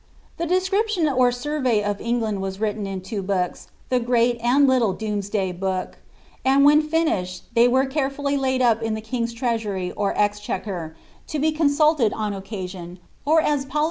The description or survey of England was written in two books, the jreat and Little Domesday book,^ and when finished, they were carefully iiid up in the king's treasury or exchequer, to be consulted on occasion, 'Ingulphus.